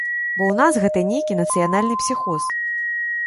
Бо ў нас гэта нейкі нацыянальны псіхоз!